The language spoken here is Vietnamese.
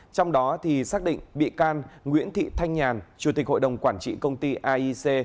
trong đó xác định bị can nguyễn thị thanh nhàn chủ tịch hội đồng quản trị công ty aic